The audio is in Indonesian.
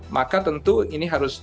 maka tentu ini harus di stop